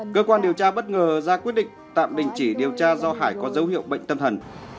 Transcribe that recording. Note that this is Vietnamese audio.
cơ quan điều tra bất ngờ ra quyết định tạm đình chỉ điều tra do hải có dấu hiệu bệnh tâm thần